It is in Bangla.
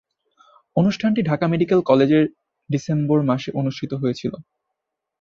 অনুষ্ঠানটি ঢাকা মেডিকেল কলেজে ডিসেম্বর মাসে অনুষ্ঠিত হয়েছিলো।